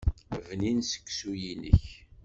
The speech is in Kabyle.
Bnin seksu-inek.